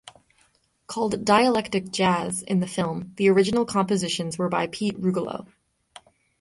Called "dialectic jazz" in the film, the original compositions were by Pete Rugolo.